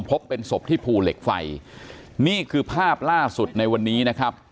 พบเป็นศพที่ภูเหล็กไฟนี่คือภาพล่าสุดในวันนี้นะครับ